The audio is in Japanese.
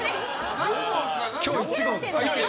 今日１号ですから。